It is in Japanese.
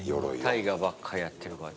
大河ばっかやってるから。